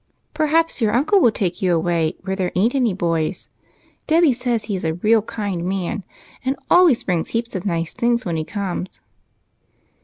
" Perhaps your uncle will take you away where there ain't any boys. Debby says he is a real kind man, and always brings heaps of nice things when he comes."